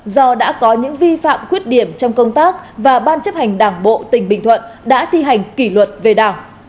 do đã có những vi phạm khuyết điểm trong công tác và ban chấp hành đảng bộ tỉnh bình thuận đã thi hành kỷ luật về đảng